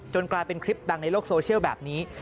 กลายเป็นคลิปดังในโลกโซเชียลแบบนี้